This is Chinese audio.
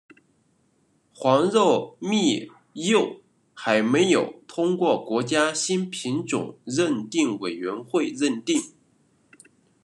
黄肉蜜柚还没有通过国家新品种认定委员会认定。